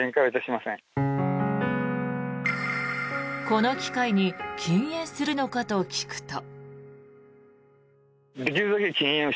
この機会に禁煙するのかと聞くと。